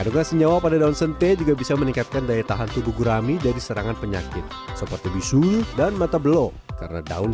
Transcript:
semayan pedel ngambil cuma beberapa ekor tapi karena diindukan jadi perlu perlakuan